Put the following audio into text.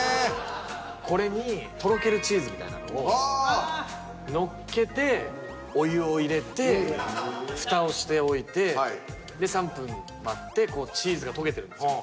これにとろけるチーズみたいなのをのっけてお湯を入れて蓋をしておいて３分待ってチーズが溶けてるんですよ。